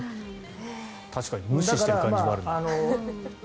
確かに無視してる感じがある。